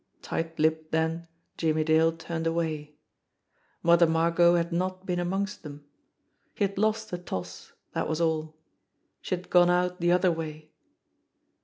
Tight lipped then, Jimmie Dale turned away. Mother Margot had not been amongst them. He had lost the toss, that was all. She had gone out the other way.